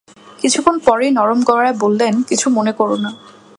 কিছুক্ষণ পরই নরম গলায় বললেন, কিছু মনে করো না।